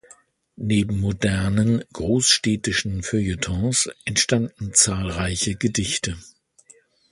Neben modernen, "großstädtischen" Feuilletons entstanden zahlreiche Gedichte.